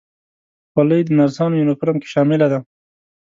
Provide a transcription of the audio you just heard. خولۍ د نرسانو یونیفورم کې شامله ده.